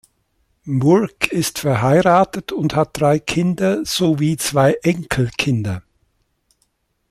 Bourke ist verheiratet und hat drei Kinder sowie zwei Enkelkinder.